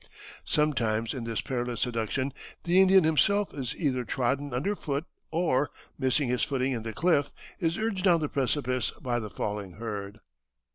Sometimes in this perilous seduction the Indian himself is either trodden under foot or, missing his footing in the cliff, is urged down the precipice by the falling herd."